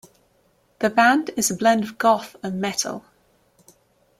The band is a blend of Goth and Metal.